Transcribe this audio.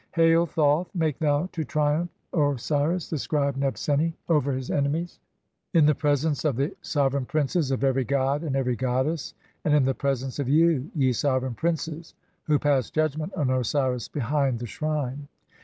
Hail, Thoth, make thou to triumph Osiris, "the scribe Nebseni, over his enemies (10) in the presence of the "sovereign princes of every god and every goddess, and in the "presence of you, ye sovereign princes who passed judgment on "Osiris behind the shrine."